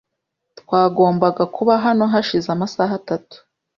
Twagombaga kuba hano hashize amasaha atatu.